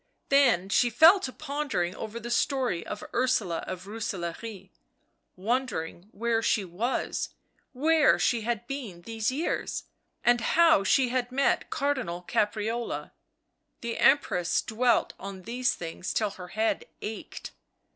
Then she fell to pondering over the story of Ursula of Rooselaare, wondering where she was, where she had been these years, and how she had met Car dinal Caprarola. ... The Empress dwelt on these things till her head ached.